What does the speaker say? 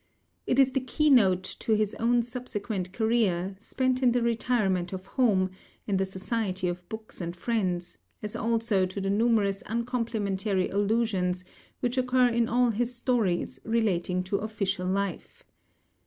It is the key note to his own subsequent career, spent in the retirement of home, in the society of books and friends; as also to the numerous uncomplimentary allusions which occur in all his stories relating to official life.